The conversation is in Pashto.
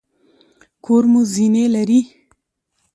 کور مو زینې لري؟